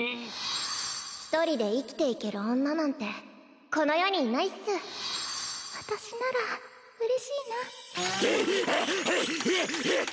一人で生きていける女なんてこの世にいないっス私ならうれしいなはぁはぁはぁはぁ。